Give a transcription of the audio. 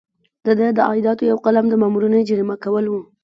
د ده د عایداتو یو قلم د مامورینو جریمه کول وو.